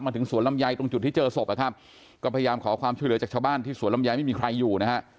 ถึงสวนลำไยตรงจุดที่เจอศพนะครับก็พยายามขอความช่วยเหลือจากชาวบ้านที่สวนลำไยไม่มีใครอยู่นะฮะ